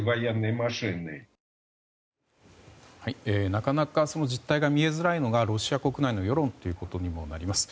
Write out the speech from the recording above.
なかなかその実態が見えづらいのがロシア国内の世論ということになります。